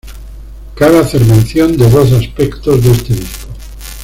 Cabe hacer mención de dos aspectos de este disco.